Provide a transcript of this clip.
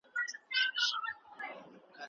دا ژوند د یوې مننې په څېر تېرېدونکی دی.